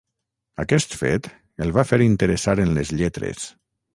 Aquest fet el va fer interessar en les lletres.